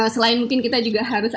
selain mungkin kita juga harus